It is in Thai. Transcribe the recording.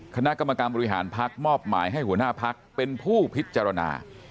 คณะกรรมการบริหารพักมอบหมายให้หัวหน้าพักเป็นผู้พิจารณา